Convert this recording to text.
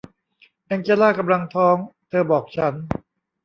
แองเจล่ากำลังท้อง เธอบอกฉัน